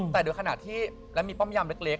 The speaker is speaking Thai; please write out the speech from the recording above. แต่โดยขณะที่และมีป้อมยามเล็ก